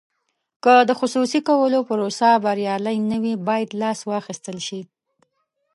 که د خصوصي کولو پروسه بریالۍ نه وي باید لاس واخیستل شي.